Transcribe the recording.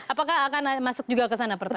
apakah akan masuk juga ke sana pertama